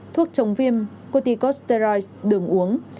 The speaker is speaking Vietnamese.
thuốc chống viêm corticosteroids đường uống